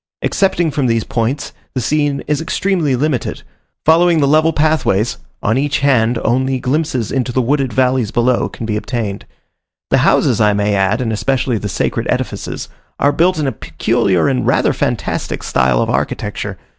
Excepting from these points, the scene is extremely limited; following the level pathways, on each hand, only glimpses into the wooded valleys below can be obtained. The houses I may add, and especially the sacred edifices, are built in a peculiar and rather fantastic style of architecture.